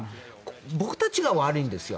僕たちが悪いんですよ。